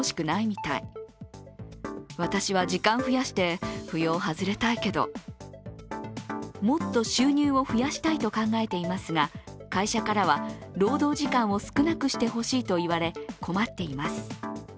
一方、夫と２人の子供がいる４０代の主婦はもっと収入を増やしたいと考えていますが、会社側からは労働時間を少なくしてほしいと言われ、困っています。